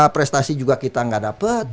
prestasi juga kita nggak dapat